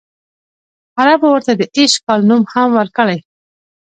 عربو ورته د ایش کال نوم هم ورکړی.